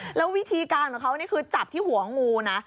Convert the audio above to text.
แล้ววิธีการของเขานี่คือจับที่หัวงูนะ